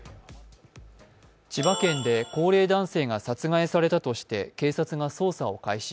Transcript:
千葉県で高齢男性が殺害されたとして警察が捜査を開始。